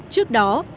trước đó bộ tài nguyên